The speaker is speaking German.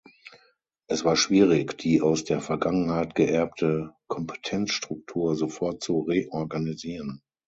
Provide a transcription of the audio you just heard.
Es war schwierig, die aus der Vergangenheit geerbte Kompetenzstruktur sofort zu reorganisieren.